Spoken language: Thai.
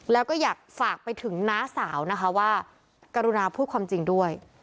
แล้วก็อยากฝากไปถึงน้าสาวนะคะว่ากรุณาพูดความจริงด้วย